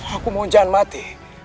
aku mohon jangan mati